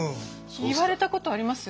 言われたことあります？